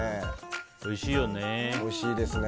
おいしいよね。